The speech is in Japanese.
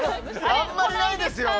あんまりないですよ